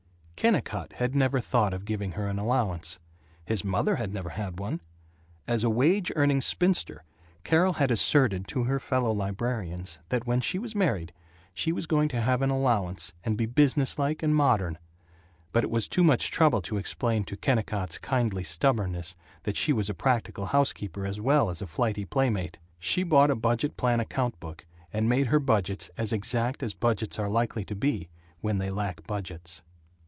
Kennicott had never thought of giving her an allowance. His mother had never had one! As a wage earning spinster Carol had asserted to her fellow librarians that when she was married, she was going to have an allowance and be business like and modern. But it was too much trouble to explain to Kennicott's kindly stubbornness that she was a practical housekeeper as well as a flighty playmate. She bought a budget plan account book and made her budgets as exact as budgets are likely to be when they lack budgets.